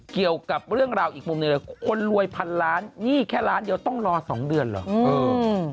เกี่ยวกับเรื่องราวอีกมุมหนึ่งเลยคนรวยพันล้านหนี้แค่ล้านเดียวต้องรอ๒เดือนเหรอ